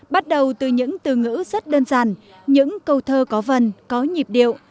bắt đầu từ những từ ngữ rất đơn giản những câu thơ có vần có nhịp điệu